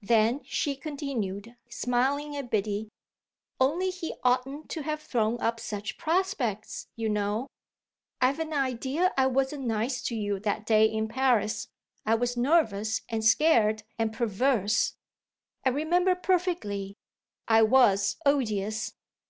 Then she continued, smiling at Biddy; "Only he oughtn't to have thrown up such prospects, you know. I've an idea I wasn't nice to you that day in Paris I was nervous and scared and perverse. I remember perfectly; I was odious.